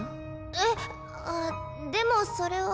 えっあでもそれは。